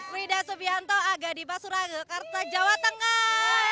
widah subianto agadipa suragekarta jawa tengah